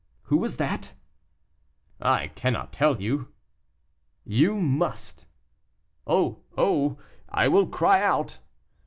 "Who was that?" "I cannot tell you." "You must." "Oh! oh! I will cry out."